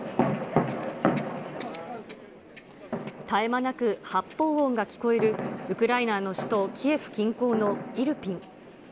絶え間なく発砲音が聞こえるウクライナの首都キエフ近郊のイルピン。